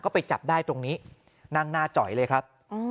ก็ไปจับได้ตรงนี้นั่งหน้าจอยเลยครับ